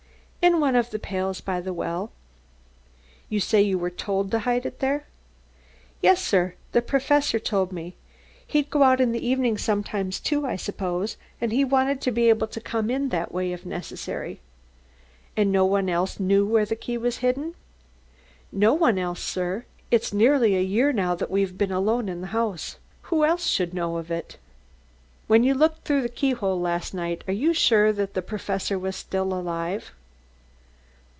"In one of the pails by the well." "You say you were told to hide it there?" "Yes, sir; the Professor told me. He'd go out in the evening sometimes, too, I suppose, and he wanted to be able to come in that way if necessary." "And no one else knew where the key was hidden?" "No one else, sir. It's nearly a year now that we've been alone in the house. Who else should know of it?" "When you looked through the keyhole last night, are you sure that the Professor was still alive?"